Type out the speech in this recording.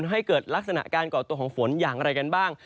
ให้เกิดลักษณะการก่อตัวของฝนอย่างไรกันบ้าง